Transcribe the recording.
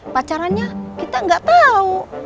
pacarannya kita tidak tahu